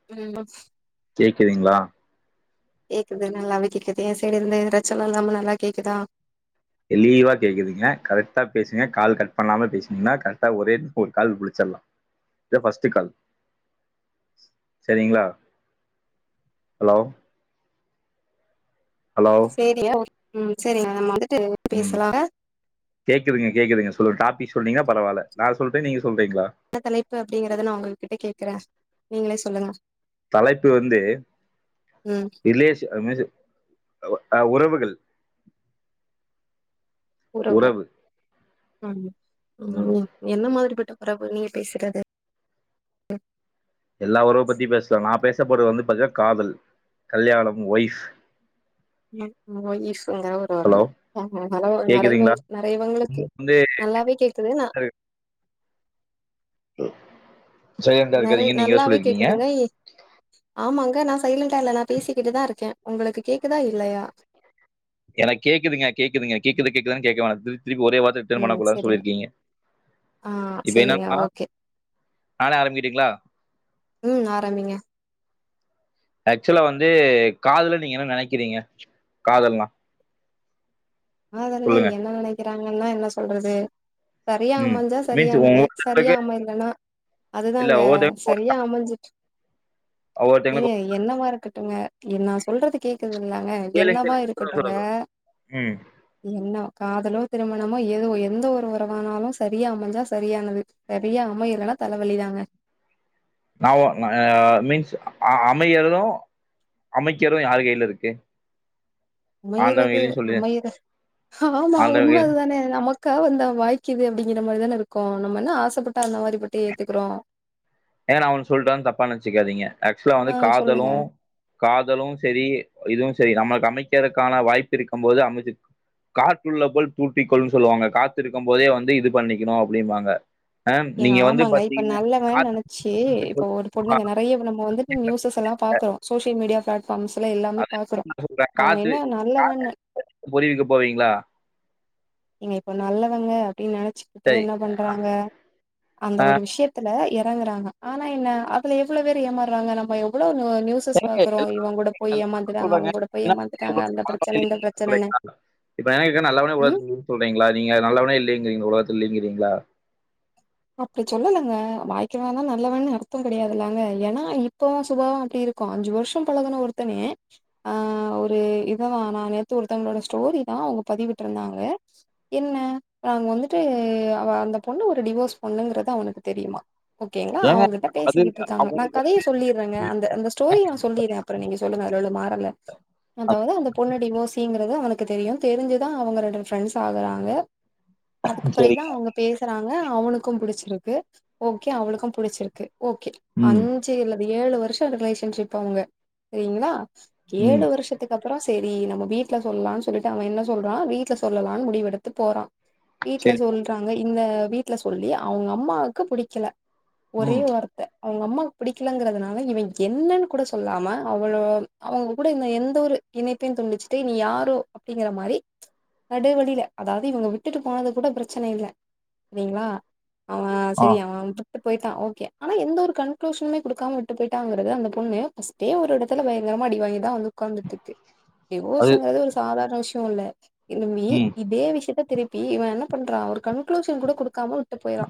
[unintelligible] கேக்கறிங்ளா கேக்குது நல்லாவே கேக்குது எ சைடு எந்த இது பிரச்சனை இல்லாம நல்லா கேக்குதா தெளீவா கேட்குதுங்க கரெக்டா பேசுங்க கால் கட் பண்ணாம பேசுனிங்னா கரெக்டா ஒரே ஒரு கால் முடிச்சர்லா இதா ஃபர்ஸ்ட்டு கால் சேரிங்ளா அலோ அலோ சேரி [inaudible] ம் சேரிங்க நம்ம வந்துட்டு ம் பேசலா என்ன கேக்குதுங்க கேக்குதுங்க சொல்லுங்க டாபிக் சொல்றீங்னா பரவால்ல நா சொல்டா நீங்க சொல்றீங்களா என்ன தலைப்பு அப்டிங்கிறத நா உங்க கிட்ட கேக்கறே நீங்களே சொல்லுங்க தலைப்பு வந்து ம் ரிலேஷ் [unintelligible] ஒ அ உறவுகள் உறவுகள் உறவு ம் ம் என்ன மாரிப்பட்ட உறவு நீங்க பேசுறது எல்லா உறவ பத்தி பேசலா நா பேசப்படுவது வந்து பாத்திங்னா காதல் கல்யாணம் ஒய்ஃப் ஒய்ஃப்கீங்கற ஒரு வரோ ஹலோ அது நெறைய வே கேக்குதுங்களா நெறைய இவுங்குளுக்கு உங்களுக்கு வந்து நல்லாவே கேக்குது நா சைலன்டா நெறை இருக்காதீங்கன் நீங்க தா நல்லாவே சொல்லிருக்கீங்க கேக்குதுங்க ஆமாங்க நா சைலண்டா இல்ல நா பேசிக்கிட்டு தா இருக்கே உங்களுக்கு கேக்குதா இல்லையா எனக்கு கேக்குதுங்க கேக்குதுங்க கேக்குது கேக்குதான் கேக்க வேணா திருப் திருப்பி ஒரே வார்த ரிட்டன் ம் பண்ணக்க கூடாதுன் சேரிங்க சொல்லிருக்கீங்க ஆ இப்ப சேரிங்க என்னன்னா ஓகே நானே ஆரம்பிக்கிட்டீங்களா ம் ஆரம்பிங்க ஆக்சுவலா வந்து காதல நீங்க என்ன நெனைக்கிறீங்க காதல்னா காதல் நா சொல்லுங்க. என்ன நெனைக்கிறாங்கன்னா என்ன சொல்றது செரியா ம். அமஞ்சா மீன்ஸ் செரியானது செரியா ஒவ்வொருத்தங்களுக்கு அமையலேன்னா இல்ல அதுதாங்க ஒவ்வொருத்தங்களுக்கு செரியா அமைஞ்சுட் ஒவ்வொர் [unintelligible] என்னவா இருக்கட்டுங்க எ நா சொல்றது கேக்குது இல்லயாங்க என்னவா இருக்கட்டுங்க உம் என்ன காதலோ திருமணமோ எதோ எந்த ஒரு உறவானாலு செரியா அமஞ்சா செரியானது செரியா அமையில்லனா தலவலி தாங்க நா ஒ ஆ ஆ ஆ மீன்ஸ் அ ஆ அமையறது அமைக்கிறது யாரு கைல இருக்கு ஆண்டவன் அமையறது கையிலன்னு சொல்லு. அமையற ஆமா ஆண்டவன் உண்ம கையில அதுதானே நமக் கா வந்தா வாய்க்குது அப்டிங்கிற மாரிதானே இருக்கு நம்ம என்ன ஆசப்பட்டா அந்த மாரி [unintelligible] ஏத்துக்குறோ எனா நா ஒன் சொல்ட்டான் தப்பா நெனச்சுக்காதீங்க ஆக்சுவலா வந்து ஆ சொல்லுங்க காதலு காதலு செரி இதுவு செரி நமக் அமைக்றதுக்கான வாய்ப்பு இருக்கு போது அமைச்சு காற்றுள்ள போல் தூட்டிக் கொள்னு சொல்லுவாங்க காத்து இருக்கும் போதே வந்து இது பண்ணிக்ணு அப்டிம்பாங்க மேம் நீங்க வந்து பாத்திங்கன்னா‌ க ச்சே இப்ப ஒரு பொண்ணுங்க நெறைய நம்ம வந்துட்டு நியூசஸ்ல்லா பாக்குறோ சோசியல் மீடியா ஃப்ளாட்வாம் பம்ஸ்லா எல்லாமே பாக்குறோ அவங்க என்ன நல்ல தான் பொரிவிக்க போவீங்ளா இங்க இப்ப நல்லவங்க அப்டின்னு நெனைச்சிக்கிட்டு சரி என்ன பண்றாங்க அந்த ஆ, ஒரு விஷய த்ல எறங்குறாங்க ஆனா என்ன அதுல எவ்ளோ பேரு ஏமாறுறாங்க நம்ம எவ்ளோ நியூஸ் எனக்கு பாக்குறோ எல்லா- இவ கூட போய் எல்லாரும் ஏமாந்துட்டாங்க சொல்றாங்க அவ கூட போய் என்ன ஏமாந்துட்டாங்க உலகத்துல அந்த நல்லவனே பிரச்சன இந்த இல்லைன்னு பிரச்சனன்னு சொல்றீங்களா? இப்ப எனக்கு நல்லவனே ம் உலகத்துல சொல்றீங்ளா நீங்க நல்லவனே இல்லலைங்றீங்ளா உலகத்ல இல்லங்றீங்ளா அப்டி சொல்லலங்க வாய்க்கவனா நல்லவண்ணு அர்த்தோ கெடாயாதுல்லங்க ஏன்னா இப்பவு சுபாவோ அப்டி இருக் கு அஞ்சு வர்ஷோ பழகுன ஒர்த்தனே ஆ ஒரு இததா நா நேத்து ஒருத்தவங்களோட ஸ்டோரி தா அவங்க பதிவிட்டுருந்தாங்க என்ன நாங்க வந்துட்டு அவ அந்த பொண்ணு ஒரு டிவோர்ஸ் பொண்ணுங்றது அவனுக்கு தெரிமா ஓகேங்ளா ஏங்க அவங்கிட்ட அது பேசிட்ருக்காங்க நா அவனுக்கு கதைய சொல்லிட்றேங்க அந்த அந்த ஸ்டோரி நா சொல்லிட்றே அப்ரோ நீங்க சொல்லுங்க அதுல உள்ள மாறல்ல அதாவ்து அந்த பொண்ணு டிவோசிங்றது அவனுக்கு தெரியு தெரிஞ்சுதா அவுங்க ரெண்டு ஃப்ரெண்ட்ஸ் ஆகுறாங்க அதுக்கு சரி பிறகுதா அவுங்க பேசுறாங்க அவனுக் கு புடிச்ருக்கு ஓகே அவளுக்கு புடிச்ருக்கு ஓகே அஞ் ம் சு அல்லது ஏழு வர்ஷோ ரிலேஷன்ஷிப் அவுங்க செரிங்ளா ம் ஏழு வருஷத் துக்கப்ரோ சேரி நம்ம வீட்ல சொல்லானு சொல்லிட்டு அவ என்ன சொல்றா வீட்ல சொல்லலானு முடிவு எடுத்து போறா வீட்ல சரி சொல்றாங்க இந்த வீட்ல சொல்லி அவுங்க அம்மாக்கு புடிக்ல ஒரே ம் வார்த்த அவுங்க அம்மாக்கு புடிக்கலங்றதுனால இவ என்னன்னு கூட சொல்லாம அவளோ அவங்க கூட எந்த ஒரு இனைப்பையு துண்டிச்ட்டு நீ யாரோ அப்டிங்கிற மாரி நடு வழியில அதாவது இவங்க விட்டுட்டு போனது கூட பிரச்சன இல்ல செரிங்ளா ஆ அவே ஆ செரி அவ வந்து விட்டு பொய்ட்டா ஓகே ஆனா எந்த ஒரு கன்க்ளூஷனுமே குடுக்காம விட்டு பொய்ட்டாங்றது அந்த பொண்ணு அதே ஒரு எடத்துல பயங்ரமா அடிவாங்கிதா வந்து உக்காந்துட்ருக்கு அது டிஃவோர்ஸுங்றது ஒரு சாதாரண விஷயோ இல்ல இனிமே ம் இதே விஷயத்த திருப் ப்பி இவ என்ன பண்றா ஒரு கன்க்ளூஷன் கூட குடுக்காம விட்டு போய்றா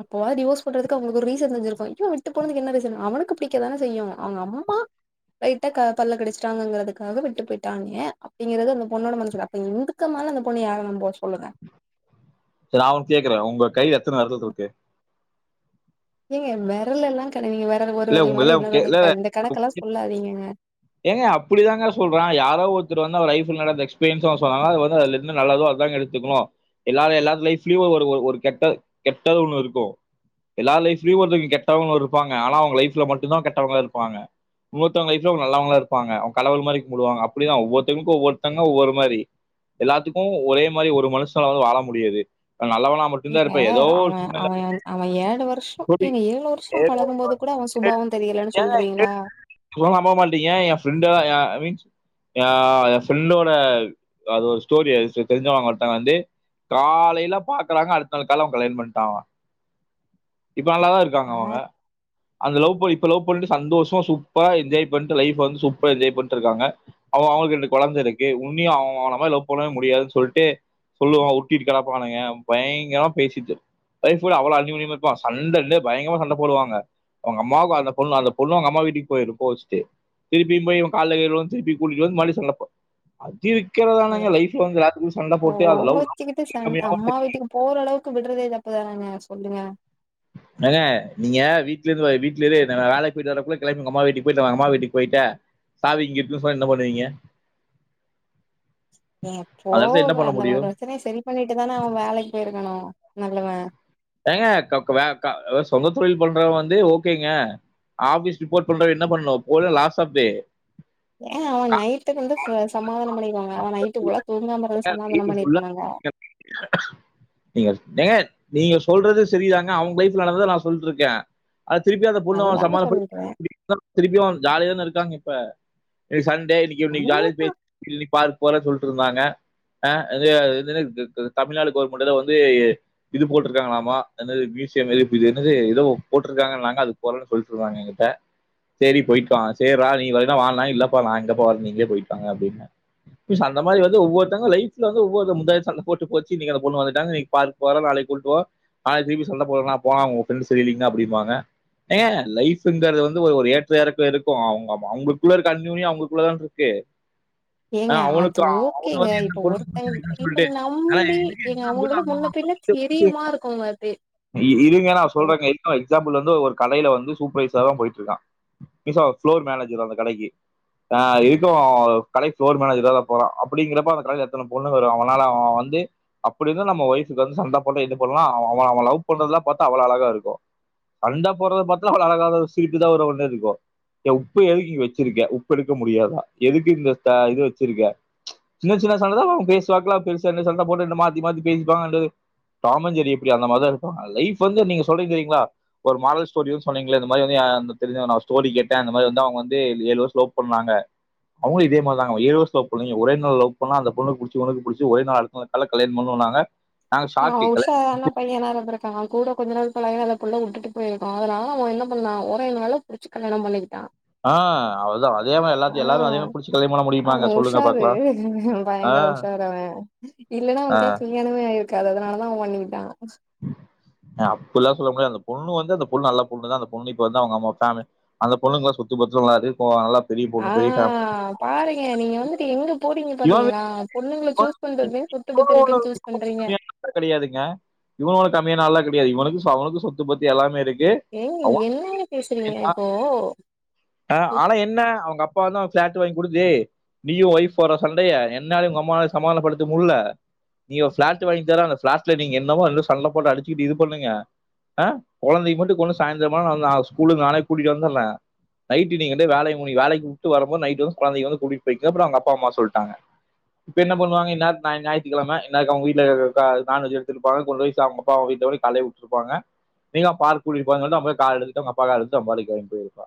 அப்போவாது டிவோஸ் பண்றதுக்கு அவங்ளுக்கு ஒரு ரீசன் தெரிஞ்ருக்கு இப்ப விட்டு போனதுக்கு என்ன ரீசன் அவனுக்கு புடிக்க தானே செய்யு அவங்க அம்மா லைட்டா பல்ல கடிச்டாங்கங்றதுக்காக விட்டு பொய்ட்டானே அப்டிங்றது அந்த பொண்ணோட மனசுல அப்ப இதுக்கு மேல அந்த பொண்ணு யார நம்புவா சொல்லுங்க செரி நா ஒன்னு கேக்றே உங்க கைல எத்தன வெரல்ருக்கு ஏங்க வெரல்லல்லா கண்ண நீங்க வெரல் ஒரு இல்ல வெரல் உங்க மாரி இல்ல உங்க இன்னொரு கை- இல்ல வெரல் இருக்காது இந்த கணக்கெல்லா சொல்லாதீங்கங்க ஏங்க அப்டிதாங்க சொல்றா யாரோ ஒருத்தர் வந்து அவ லைப்ல்ல நடந்த எக்ஸ்பீரியன்ஸ சொன்னாங்க அதுலவந்துண இருந்து நல்லதோ அதுதாங்க எடுத்து க்கனு எல்லாரு எல்லா லைஃப்லியு ஒரு ஒரு கெட்ட கெட்டது ஒண்ணு இருக்கு எல்லா லைஃப்லியு ஒரு கெட்டவங்க இருப்பாங்க ஆனா அவங்க லைப்ல மட்டுதா கெட்டவங்ளா இருப்பாங்க ஒவ்வொருத்தவங்க லைஃப்ல நல்லவங்ளு இருப்பாங்க அவுங்க கடவுள் மாரி கும்புடுவாங்க அப்டிதா ஒவ்வொருத்தவங்ளுக்கு ஒவ்வொருத்தங்க ஒவ்வொரு மாரி எல்லாத்துக்கு ஒரே மாரி ஒரு மனுஷனால வாழ முடியாது நல்லவண்ணா மட்டு இங்க அவ அவ அவ ஏழு வர்ஷோ சூழ்நிலை ஏங்க ஏழு வர்ஷோ ஏதோ ஒரு பழகும்போது சூழ்நிலை கூட கூட சுபாவோ தெரியலன்னு சொல்றீங்ளா சொன்னா நம்ப மாட்டீங்க என் ஃப்ரெண்ட் ஏ மீன்ஸ் ஏ ஃப்ரெண்டோட அது ஒரு ஸ்டோரி தெரிஞ்சவங்க ஒருத்தவங்க வந்து காலைல பாக்றாங்க அடுத்த நாள் கால்ல அவ கல்யாணோ பண்ட்டாங்கோ இப்ப நல்லாதா இருக் குராங்க அவங்க பாத்தியா அந்த லவ் பண்ண இப்ப லவ் பண்ட்டு சந்தோஷமா சூப்பரா என்ஜாய் பண் ட்டு லைஃப் வந்து சூப்பரா என்ஜாய் பண்ட்ருக்காங்க அவ அவங்ளுக்கு ரெண்டு கொழந்த இருக்கு உன்னியு அவ அவ மாரி லவ் பண்ண முடியாதுன்னு சொல்ட்டு சொல்லுவ உருட்டிட்டு கெடப்பானுங்க பயங்கரமா பேசிட்டு ஒய்ஃப்போட அவ்ளோ அந்நியோனியமா இருப்பா சண்டே டே பயங்கமா சண்ட போடுவாங்க உங்க அம்மாவுக்கு அந்த பொண்ணு அந்த பொண்ணு அவங்க அம்மா வீட்டுக்கு போயிரு போச் சு திருப்பியும் போய் இவ கால்ல கீல்ல விழுந்து திருப்பி கூட்டிட்டு வந்து மறுபடி சண்ட போ அப்டிக்கிறதானேங்க லைஃப்ல வந்து எல்லாத்துக்கு சண்ட போட்டு அது லவ் கோவச்சுக்கிட்டு சண் கம்மியாவம அம்மா வீட்டுக்கு போற அளவுக்கு விட்றதே தப்பு தானங்க சொல்லுங்க ஏங்க நீங்க வீட்லருந்து வீட்ல இரு நா வேலைக்கு போயிட்டு வரக்குள்ள கெளம்பி உங்க அம்மா வீட்டுக்கு போயிட்டு வாங் அம்மா வீட்டுக்கு போயிட்ட சாவி இங்க இருக்குனு சொன்ன என்ன பண்ணுவீங்க ஏங்க அந்த இடத்துல போவ என்ன பண்ண அந்த மாரி முடியும் பிரச்சனைய செரி பண்ணிட்டு தானே அவன் வேலைக்கு போயிருக்கணும் நல்லவன் ஏங்க கக்கு வ சொந்த தொழில் பண்றவ வந்து ஓகேங்க ஆபிஸ் ரிப்போர்ட் பண்ற என்ன பண்ணணும் போலும் லாஸ் ஆஃப் பே ஏங்க அவன் நைட்டுக்கு வந்து சமாதானம் பண்ணிக்கவாங்க அவன் நைட்டு புல்லா தூங்காமருந்து சமாதானம் வீட்டு ஃபுல்லா பண்ணிருக்கனாங்க நீங்க ஏங்க நீங்க சொல்றது செரிதாங்க அவங்க லைஃப்ல நடந்தத நா சொல்ட்டுருக்கே அது திருப்பியு அந்த பொண்ணோ அதுதாங்க சமாதனப்படு சொல்றே திருப்பியும் ஜாலியா தா இருக்காங்க இப்ப இன்க்கு சண்டே இன்னிக்கு இன்னைக்கு ஜாலிய பே ஆமா இனிக் பார்க் போறே சொல்ட்டு இருந்தாங்க ஆ இது தமிழ்நாடு கவர்மெண்ட்ல வந்து இது போட்ருக்காங்களாமா என்னது மியூசியம் இது என்னது ஏதோ போட்ருக்காங்க நாங்க அது போறோம்ன்னு சொல்ட்டு இருந்தாங்க என்கிட்ட செரி போயிட்டு வாங்க செர்ரா நீ வரனே வாங்கலா இல்லப்பா நா எங்கப்பா வ நீங்ளே போயிட்டு வாங் அப்டின்னு அந்த மாரி வந்து ஒவ்வொருத்தங்க லைப்ல வந்து ஒவ்வொரு முத சண்ட போட்டு போச்சுனீங்க அந்த பொண்ணு வந்துட்டாங்க இனிக் பார் போற நாளைக்கு கூட்டு நாளைக்கு திருப்பி சண்ட போறா போனா உங்க ஃப்ரெண்ட் செரிலீங்க அப்டின்ம்பாங்க ஏங்க லைஃப்ங்கறது வந்து ஒரு ஒரு ஏற்ற எறக்க இருக்கோம் அவங்க அவங்ளுக்குள்ள இருக்க அந்நியுனியம் அவங்ளுக்குள்ளதானே இருக்கு [inaudible] ஆ ஏங்க அது அவனுக்கு அவனு ஓகேங்க வந்து எந்த இப்ப பொருள் ஒருத்தங் ருக்குன்னு இப்ப சொல்ட்டு நம்பி ஏங்க அவங்கள முன்ன பின்ன [unintelligible] தெரியுமா இருக்குங்க அது [unintelligible] இருங்க நா இப்போ சொல்றேங்க‌ ஒரு சின்ன எக்ஸாம்பிள் வந்து ஒரு கடைல வந்து சூப்பரைசாதா போயிட்ருக்கா இப்போ அவே ஃப்ளோர் மேனஜர் அந்த கடைக்கு ஆ இருக்கும் கடைக்கு ஃப்ளோர் மேனஜரா தா போறா அப்டிங்கிறப்ப அந்த கடைல எத்தன பொண்ணு வரும் அவனால அவன் வந்து அப்படிருந்து நம்ம ஒய்ஃபுக்கு வந்து சண்ட போட்டு இது பண்லாம் அவ அவன் லவ் பண்றதுல்லா பாத்தா அவ்ளோ அழகா இருக்கோம் சண்டா போறத பாத்தா அவ்ளா அழகாத சிரிப்பு தா வரு ஒன்னே ருக்கும் ஏன் உப்பு எதுக்கு இங்க வச்சிருக்க உப்பு எடுக்க முடியாதா எதுக்கு இந்த தே இது வச்சிருக்க சின்ன சின்ன சண்ட தா அவங்க பேசுவாக்குலா பெருசா என்ன சண்டா போட்டு என்ன மாத்தி மாத்தி பேசிப்பாங்கது டாமஞ்சேரி எப்டி அந்த மாரி தா இருப்பாங்க லைஃப் வந்து நீங்க சொல்றீங்க தெரியிங்ளா ஒரு மாரல் ஸ்டோரி யூஸ் பண்ணிங்ளே இந்த மாரி வந்து தெரிஞ்சவ நா ஸ்டோரி கேட்ட அந்த மாரி வந்து அவங்க வந்து ஏலு வருஷ் லவ் பண்ணாங்க அவங்ளும் இதே மாரி தாங்க ஏலு வருஷ் லவ் பண்ணங்க ஒரே நாள் லவ் பண்ணா அந்த பொண்ணு புடிச்சு உனக்கு புடிச்சு ஒரே நாள் குள்ள கல்யாண பண்ணுன்னாங்க ஆ உஷாரான பையன்னாருந்துருக்காங்க அவே கூட கொஞ்ச நாள் பழகுறதுகுள்ள விட்டுட்டு போயிருக்கா அதனால அவன் என்ன பண்ணா ஒரே நாள்ல வச்சி கல்யாணம் பண்ணிக்கிட்டா ஆ அவள்தா வாழ் அதே மாரி ஆ எல்லாத்தியு எல்லாரும் அதேமே புடிச்சு கல்யா பண்ண அவ முடியுமாங்க சொல்லுங்க உஷாரு பாக்கலா ஆ இல்லலன்னா அவன்க்லா கல்யாணமே ஆய் இருக்காது அதனாலதா அவன் பண்ணிட்டா அப்பிட்லா சொல்ல முடியாது அந்த பொண்ணு வந்து அந்த பொண் நல்ல பொண்ணு தா அந்த பொண்ணு இப்ப வந்து அவங்கம்மா ஃபேமி அந்த பொண்ணுங்ளா சொத்து பத்து நல்லா [unintelligible] நல்லா பெரிய ஆ பொண்ணு பெரிய ஃபேமி பாருங்க நீங்க வந்துட்டு எங்க போறீங்க இவன் பாத்தீங்ளா பொண்ணுங்ள சூஸ் பண்றதே சொத்து பத் இவன் ஒண்ணு இருக்குன் சூஸ் பண்றீங்க [inaudible] கெடையாதுங்க [unintelligible] கெடையாது இவனுக்கு அவனுக்கு சொத்து பத்து எல்லாமே இருக்கு ஏங் அவன் என்னங்க பேசுறீங்க இப்போ ஆ ஆனா என்ன அவங்க அப்பாவுந்தா ஃபிளாட் வாங்கி குடுத்து நீயு ஒய்ஃப் போற சண்டய என்னாலயு உங்கம்மானாலயு சமாதானப்படுத்த முல்ல நீங்க ஃபிளாட் வாங்கி தரே அந்த ஃபிளாட்ல நீங்க என்னமோ [unintelligible] சண்ட போட் அடிச்சுட் இது பண்ணுங்க அ கொழந்தை மட்டுக்கொன்னு சாயந்தர [unintelligible] ஸ்கூலிர்ந்து நானே கூட்டிட்டு வந்தர்ரே நைட்டு நீங்க ரெண்டு பேரு வேலய முடி வேலைக் விட்டு வரும்போ நைட்டு வந்து கொழந்தைய வந்து கூட்டிட்டுபோயிக்க அப்பறோ அவுங்க அப்பா அம்மா சொல்ட்டாங்க இப்ப என்ன பண்ணுவாங்க இந்நேரத்துக் ஞ ஞாயித்துக்கெழம இந்நேரத்துக் அவங்க வீட்ல அ க நான்வெஜ் எடுத்துட்ருப்பாங்க கொண்டு போய் சாப்டுவாங்க அவுங்க வீட்டோட தலைய வுட்டுருப்பாங்க நீங்கதா பார்க் கூட்டிட் போறேங்கன் சொல்ட்டு அவ போய் கார் எடுத்துட்டு அவுங்க அப்பா கார் எடுத்துட்டு அவ பாட்டுக் கெளம்பி போயிருப்பா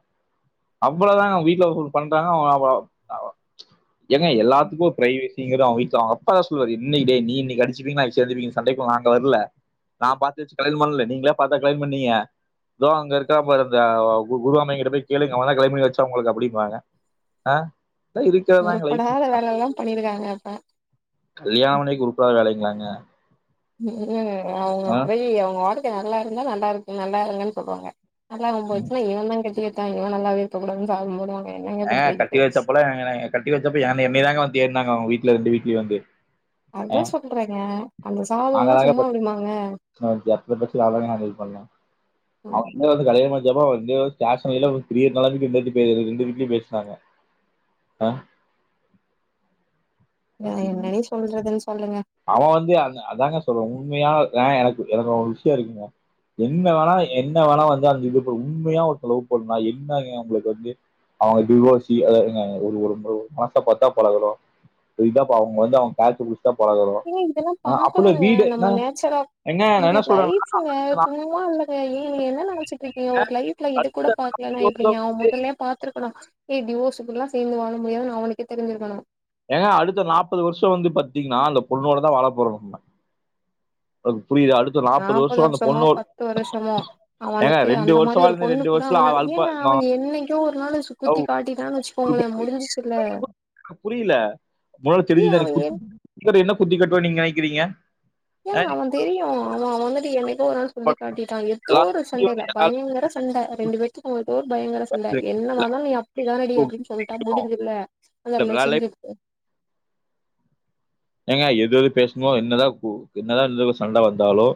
அவ்ளோ தாங்க அவுங்க வீட்ல ஹோல்ட் பண்றாங்க அவங் அவ அவ- ஏங்க எல்லாத்துக்கு ஓர் பிரைவசிங்கற அவுங்க வீட்ல அ அப்பாதா சொல்வாரு இன்னைக்கு டேய் நீ இன்னைக் அடிச்சுப்பிங்க நாளைக் சேந்துப்பிங்க சண்டைக்கு நாங்க வர்ல நா பாத்து வெச் கல்யாணோ பண்ல நீங்களே பாத்தா கல்யாண பண்ணிங்க தோ அங்க இருக்கா பாரு அந்த அவ குருவாமைங்க ட்ட போய் கேளுங்க அவுங்க தா கல்யாணோ பண்ணி வெச்சாங் ஒங்களுக்கு அப்டிங்வாங்க ஆ இதெல்லா இருக்கறது தாங் படாத வேலைகளெல்ல பண்ணிருக்காங்க அப்ப உருபடாத வேலைங்களாங்க ம் அவுங்க ஆ? போய் அவுங்க வாழ்க்க நல்லா இருந்தா நல்லா இருக்கு நல்லா இருங்கன் சொல்லுவாங்க நல்லா தா ம். போச்சு ஏ தா கட்டி வச்சாங்களோ நல்லாவே இருக்ககூடாதுன் சாபோ போடுவாங்க என்னங்க ஏங்க கட்டி பண்றது வெச்சப்பலா [unintelligible] கட்டி வெச்சப்ப ஏன்ன என்னயதாங்க வந்து தேட்னாங்க அவுங்க வீட்லிருந்து ரெண்டு விட்லயு வந்து அதா சொல்றேங்க அந்த சாபோ எல்லா சும்மா விடுமாங்க [unintelligible] அவுங்க தா ஹாண்டில் பண்ணு ம் அவங்கேந்து கல்யாணமுச்சப்ப அவங்க ரெண்டு வேரு ஸேஷரியர்ன [unintelligible] ர ரண்டு வீட்லயு பேச்னாங்க ஆ வேற என்னடி சொல்றதுன் சொல்லுங்க அவ வந்து அ அதாங்க சொல்றே உண்மையா ஏ எனக்கு எனக்கு ஓர் விஷ்யோ இருக்குங்க என்ன வேணா என்ன வேணா வந்து அந்த இருக்கட்டு உண்மையா ஒருத்தே லவ் பண்ணா என்ன அவுங்களுக்கு வந்து அவுங்க டிவோசியோ அத ஒரு ஒரு மனசா பாத்தா பழகுறோ இல்லாப்ப அவுங்க வந்து அவுங்க [unintelligible] ஏங்க இதெல்லா பாக்கணுங்க நம்ம என்ன நேச்சுரா எங்க நான் ஏங்க என்ன சொல்றேன் லைப்ங்க அடுத்த என்னமோ இல்லங்க ஏங்க நீங்க என்ன நெனச்சுட்டிருக் நீங்க ஒரு லைப்ல இது கூட பாக்லேனா வருஷம் எப்டிங்க அவுங் முதல்லயே பாத்துருக்கணு ஏ டிவோஸ்சி கூடல்லா சேந்து வாழ முடியாதுன் அவனுக்கே தெரிஞ்சுருக்கணு ஏங்க அடுத்த நாப்பது வருஷோ வந்து பத்திங்ன்னா அந்த பொண்ணோடதா வாழ போறோ ஒனக் புரியுதா அடுத் நாப்பது வருஷமோ பத்து வருஷமோ ஏங்க அவனுக்கு ரெண்டு அந்த வருஷம் மாறி ஒரு வாழ்ந்து பொண்ணு ரெண்டு கூட வருஷம் அல்பா [unintelligible] அவெங் என்னைக்கோ ஒரு நாளு சு குத்தி காட்டிடான் வெச்சுக்கோங்ளே முடிஞ்சிச்சில்ல புரில மொதல தெரிஞ்சதுதானே ஏ குத் [unintelligible] என்ன குத்தி காட்டுவா நீங் நெனக்கிறீங்க ஏங்க அவெ தெரியு அவெ அவெ வந்துட்டு என்னைய் ஏதோ ஒரு நா சொல்லி காட்டிட்டா ஏதோ எல்லா ஒரு வந்து சண்டயில எல்லா பயங்கர சண்ட ரெண்டு பேத்துக்கு ஏதோ ஒரு பயங்கர ச அல்ல இருக்கும். என்ன எல்லா வானாலு நீ அப்டி தானடி அப்டின் சொல்ட்டா இருக்கும். முடிஞ்சுத்ல அந்த இல்ல, எல்லா ரிலேஷன்ஷிப்பு ஏங்க எது எது பேசணுமோ என்னதா என்னதா இருந்தாலு சண்ட வந்தாலு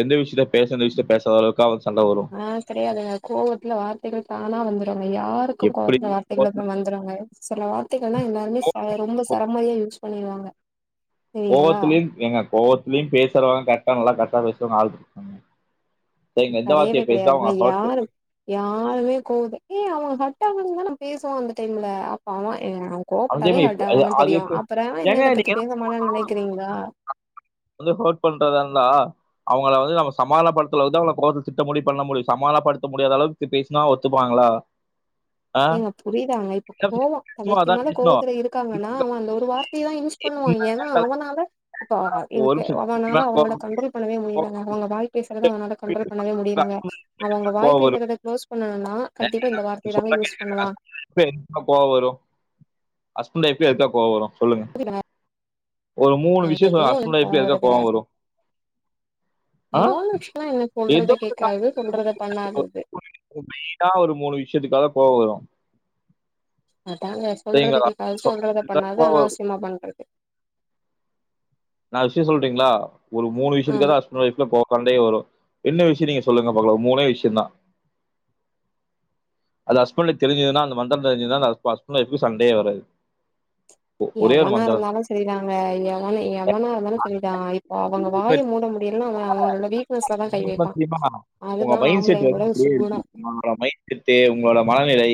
எந்த விஷ்யத்த பேசணு எந்த விஷ்யத்த பேசாதளவு க்கா சண்ட வரு ஆ கெடயாதுங்க கோவத்ல வார்த்தைகள் தானா வந்துருங்க யாருக்கு எப்படி கோவத்ல வார்த்தைகள் கோவத்துல- வந்துருங்க சில வார்த்தைகள்ல்லா எல்லாருமே ச ரொம்ப சரமாரியா யூஸ் பண்ணிருவாங்க சரிங்களா கோவத்துலயு ஏங்க கோவத்துலயு பேசறவங்க கரெட்டா நல்லா கரெக்டா பேசுவாங்க ஆள் இருக்காங்க சரிங்க எந்த கெடையவே வார்த்தைய பேசுனா கெடையாதுங்க அவுங்க ஹர்ட்டு யாரு யாருமே கோவத்த ஏ அவுங்க ஹர்ட்டாங் தானே நா பேசுவோ அந்த டைம்ல அப்ப அவன் அ அவன் கோவப்பட்டாலே ஹர்ட்டாவங்கன்னு அது தெரியு எப்படி அப்றோ என்ன ஏங்க இத நீங்க பத்தி பேச மாட்டனு நெனக்கிறிங்ளா வந்து ஹர்ட் பண்றதா இருந்தா அவுங்கள வந்து நம்ம சமாதானப்படுத்தளவுதா அவள கோவத்துல திட்ட முடியு பண்ண முடியு சமாதானப்படுத்த முடியாத அளவுக்கு தி பேசுனா ஒத்துப்பாங்ளா ஏங்க புரிதாங்க இப்ப கோவோ சும்மா தலைக்கு அதான் மேல பேசணும் கோவத்ல இருக்காங்னா அவுங்க அந்த ஒரு வார்த்தையதா யூஸ் பண்ணுவான் ஏனா அவனால இப்போ அ இவ ஒரு கே அவனால நிமிஷம் அவங்கள கண்ட்ரோல் பண்ணவே முடியலங்க அவங்க வாய் பேசறதா அவனால கண்ட்ரோல் பண்ணவே முடியலங்க அவுங்க வாய் கோவம் வரும் பேசறத குளோஸ் பண்ணணுனா கண்டிப்பா இந்த வார்த்தையதாங்க யூஸ் எதுக்குடா பண்ணுவா சொன்ன சே எப்பல்லா கோவோ வரு ஹஸ்பண்ட் ஒய்ஃப்க்கு எதுக்காக கோவோ வரு சொல்லுங்க புரியுதா? ஒரு மூணு எனக்கு விஷ்யோ ஏதோ சொல்லுங்க ஹஸ்பண்ட் அண்ட் கோவ ஒய்ஃப்குல்ல எதுக்காக வருதுங்க கோவோ வரு மூணு விஷ்யோல்லா என்ன ஏதோ சொல்றத கேட்காதது சொல்றத பண்ணாதது இப்ப மெய்னா ஒரு மூணு விஷ்யத்துக்காக கோவோ வரு அதாங்க சொல்லுறத சரிங்களா கேக்காதது சொல்றத பண்ணாதது கோவம் அனாவிசியமா பண்றது நா விஷ்யம் சொல்ட்டுங்ளா ஒரு மூணு ஆ விஷ்யத்துக்காகதா ஹஸ் பண்ட் வைஃப்க்குள்ள கோ சண்டயே வரு என்ன விஷ்யோ நீங்க சொல்லுங்க பாக்கலா மூணே விஷ்யந்தா அது ஹஸ்பண்டுக்கு தெரிஞ்சுதுனா அந்த மந்தரம் தெரி்ஞ்சுதுனா அந்த ஹஸ்ப ஹஸ்பண்ட்டு ஒய்ஃப்க்கு சண்டயே வராது ஒரே ஒரு எவனா மந்திரந்தா இருந்தாலு சரிதாங்க எவனு எ எவனா இருந்தாலு சரிதா இப்போ அவுங்க வாய மூட முடியலனா அவன் அவுங்களோட வீக்னஸ்லதான் கை வெப்பான் உங்க மைண்ட் செட்டு வந்து இப்டியே இருக்கு உங்களோட மைண்ட் செட்டு உங்களோட மனநிலை